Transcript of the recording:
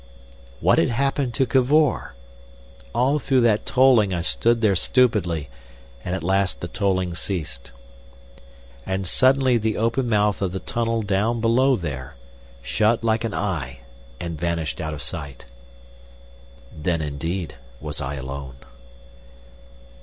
What had happened to Cavor? All through that tolling I stood there stupidly, and at last the tolling ceased. And suddenly the open mouth of the tunnel down below there, shut like an eye and vanished out of sight. Then indeed was I alone.